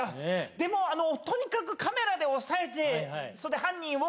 でもとにかくカメラで押さえて犯人を。